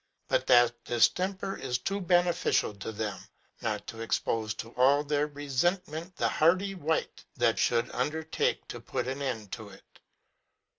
But that distemper is too beneficial to them not to ex pose to all their resentment the hardy wight that should un dertake to put an end to it.